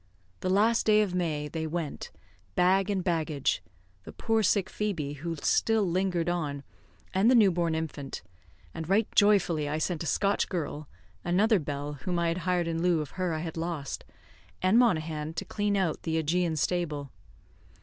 The last day of May, they went, bag and baggage, the poor sick Phoebe, who still lingered on, and the new born infant; and right joyfully I sent a Scotch girl (another Bell, whom I had hired in lieu of her I had lost), and Monaghan, to clean out the Augean stable.